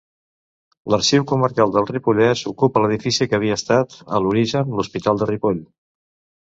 L'Arxiu Comarcal del Ripollès ocupa l’edifici que havia estat, a l’origen, l’hospital de Ripoll.